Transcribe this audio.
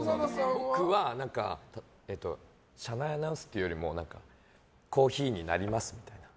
僕は車内アナウンスっていうよりもコーヒーになりますみたいな。